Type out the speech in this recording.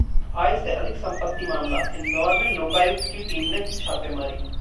आय से अधिक संपत्ति मामला: इंदौर में लोकायुक्त की टीम ने की छापेमारी